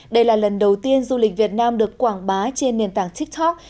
đây là lần đầu tiên du lịch việt nam được quảng bá trên nền tảng tiktok